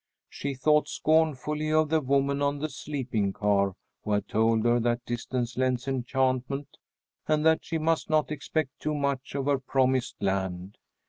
She thought scornfully of the woman on the sleeping car who had told her that distance lends enchantment, and that she must not expect too much of her promised land.